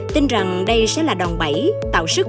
tin rằng đây sẽ là đòn bẫy tạo sức